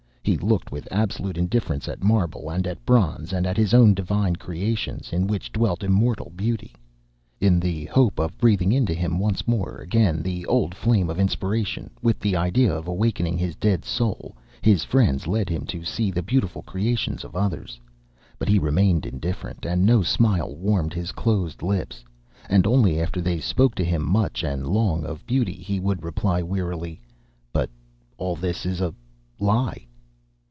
He looked with absolute indifference at marble and at bronze and at his own divine creations, in which dwelt immortal beauty. In the hope of breathing into him once again the old flame of inspiration, with the idea of awakening his dead soul, his friends led him to see the beautiful creations of others, but he remained indifferent and no smile warmed his closed lips. And only after they spoke to him much and long of beauty, he would reply wearily: "But all this is a lie."